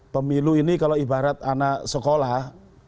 pemilu ini kalau ibarat anak sekolah